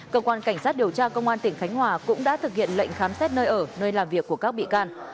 cơ quan cảnh sát điều tra công an tỉnh khánh hòa cũng đã thực hiện lệnh khám xét nơi ở nơi làm việc của các bị can